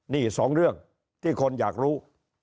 นี่สองเรื่องที่คนอยากรู้